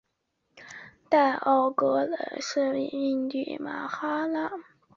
代奥格尔是印度马哈拉施特拉邦阿拉伯海岸的一个城市。